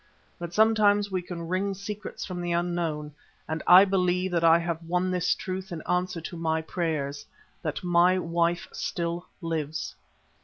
But sometimes we can wring secrets from the Unknown, and I believe that I have won this truth in answer to my prayers, that my wife still lives."